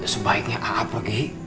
sebaiknya ahah pergi